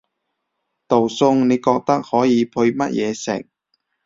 道餸你覺得可以配乜嘢食？